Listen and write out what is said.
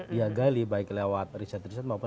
dia gali baik lewat riset riset maupun